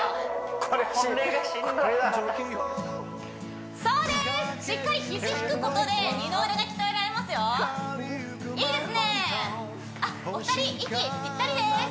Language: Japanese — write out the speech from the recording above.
これしんどいこれだそうでーすしっかり肘引くことで二の腕が鍛えられますよいいですねお二人息ぴったりです